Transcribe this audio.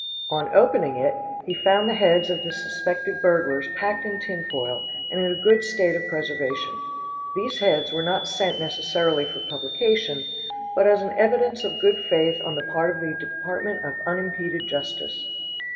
On opening it he found the heads of the suspected burglars packed in tinfoil and in a good state of preservation. These heads were not sent necessarily for publication, but as an evidence of good faith on the part of the Department of Unimpeded Justice.